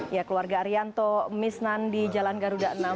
ya keluarga arianto miss nan di jalan garuda enam